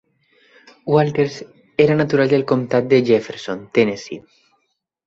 Walters era natural del comtat de Jefferson, Tennessee.